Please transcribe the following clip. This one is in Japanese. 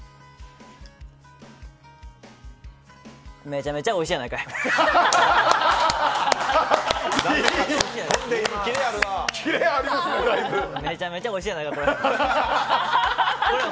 めちゃめちゃおいしいやないかい。